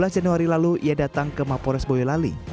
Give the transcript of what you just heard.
sebelas januari lalu ia datang ke mapores boyolali